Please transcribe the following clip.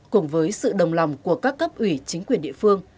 cùng với sự đồng lòng của các cấp ủy chính quyền địa phương